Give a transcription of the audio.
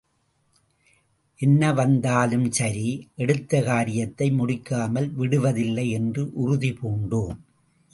என்ன வந்தாலும் சரி, எடுத்தகாரியத்தை முடிக்காமல் விடுவதில்லை என்று உறுதி பூண்டோம்.